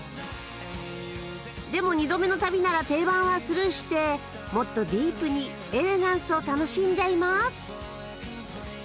でも２度目の旅なら定番はスルーしてもっとディープにエレガンスを楽しんじゃいます。